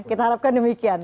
kita harapkan demikian